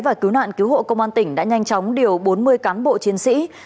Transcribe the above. và cứu nạn cứu hộ công an tỉnh đã nhanh chóng điều bốn mươi cán bộ chiến sĩ